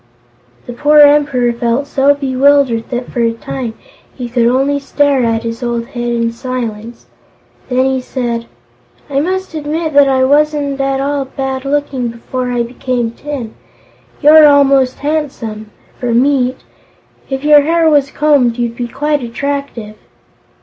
The poor Emperor felt so bewildered that for a time he could only stare at his old Head in silence. Then he said: "I must admit that I wasn't at all bad looking before I became tin. You're almost handsome for meat. If your hair was combed, you'd be quite attractive."